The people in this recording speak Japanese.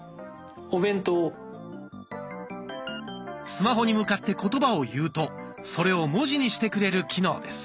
スマホに向かって言葉を言うとそれを文字にしてくれる機能です。